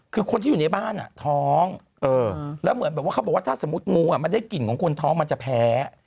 คือคนที่อยู่ในบ้านท้องแล้วเหมือนแบบว่าเขาบอกว่าถ้าสมมุติงูมันได้กลิ่นของคนท้องมันจะแพ้